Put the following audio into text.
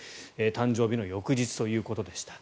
誕生日の翌日ということでした。